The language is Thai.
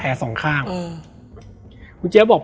แล้วสักครั้งหนึ่งเขารู้สึกอึดอัดที่หน้าอก